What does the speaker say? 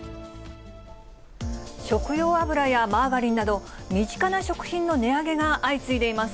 食用油やマーガリンなど、身近な食品の値上げが相次いでいます。